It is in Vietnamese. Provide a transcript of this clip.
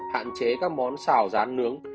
hạn chế các món xào rán nướng